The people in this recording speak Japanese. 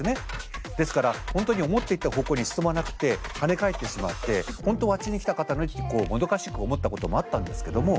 ですから本当に思っていた方向に進まなくて跳ね返ってしまって本当はあっちに行きたかったのにってこうもどかしく思ったこともあったんですけども。